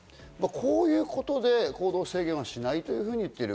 こういうことで行動制限はしないと言っている。